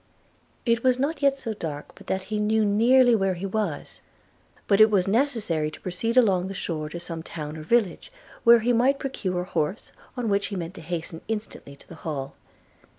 It was not yet so dark but that he knew nearly where he was; but it was necessary to proceed along the shore to some town or village, where he might procure an horse, on which he meant to hasten instantly to the Hall.